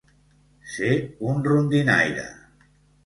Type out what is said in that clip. Ser un rondinaire.